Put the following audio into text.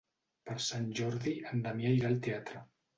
Per Sant Jordi en Damià irà al teatre.